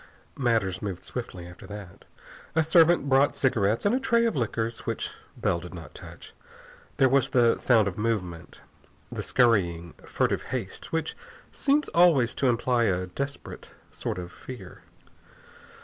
Matters moved swiftly after that. A servant brought cigarettes and a tray of liquors which Bell did not touch. There was the sound of movement, the scurrying, furtive haste which seems always to imply a desperate sort of fear.